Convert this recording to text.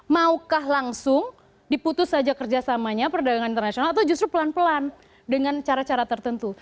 maukah langsung diputus saja kerjasamanya perdagangan internasional atau justru pelan pelan dengan cara cara tertentu